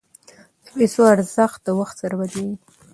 د پیسو ارزښت د وخت سره بدلیږي.